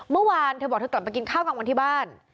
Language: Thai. เมื่อวานเธอบอกเธอกลับไปกินข้าวกลางวันที่บ้าน